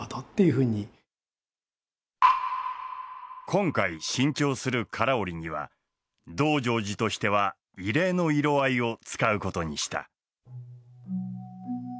今回新調する唐織には「道成寺」としては異例の色合いを使うことにした。